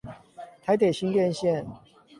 臺鐵新店線